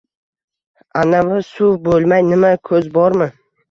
— Anavi suv bo‘lmay, nima? Ko‘z bormi?!